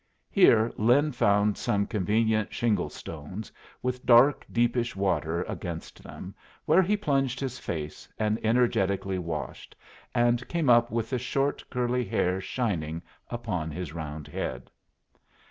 Here Lin found some convenient shingle stones, with dark, deepish water against them, where he plunged his face and energetically washed, and came up with the short curly hair shining upon his round head.